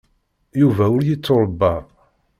Yuba ur yettuṛebba.